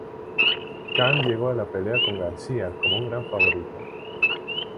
Khan llegó a la pelea con García como un gran favorito.